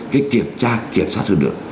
cái kiểm tra kiểm sát hơn nữa